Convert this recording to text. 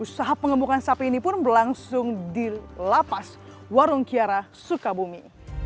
usaha pengembukan sapi ini pun berlangsung di lapas warung kiara sukabumi